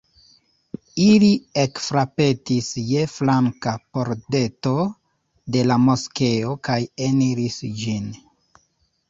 Ili ekfrapetis je flanka pordeto de la moskeo kaj eniris ĝin.